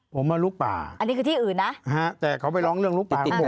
ผมว่าลูกป่าอันนี้คือที่อื่นนะฮะแต่เขาไปร้องเรื่องลูกป่าติดติดกัน